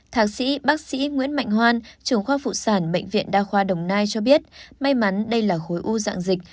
thạc sĩ bác sĩ nguyễn mạnh hoan trưởng khoa phụ sản bệnh viện đa khoa đồng nai cho biết may mắn đây là khối u dạng dịch